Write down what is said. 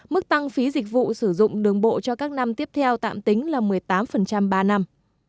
mức tăng phí dịch vụ sử dụng đường bộ cho các năm tiếp theo tạm tính là một mươi tám ba năm